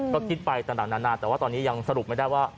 ก็คิดไปต่างนานาแต่ว่าตอนนี้ยังสรุปไม่ได้ว่า